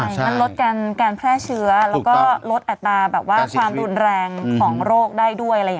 ใช่มันลดการแพร่เชื้อแล้วก็ลดแอตราความดูนแรงของโรคได้ด้วย